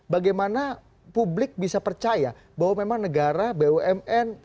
bagaimana publik bisa percaya bahwa memang negara bumn